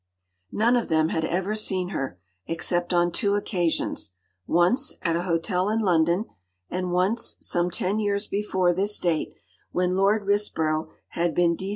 None of them had ever seen her, except on two occasions; once, at a hotel in London; and once, some ten years before this date, when Lord Risborough had been D.C.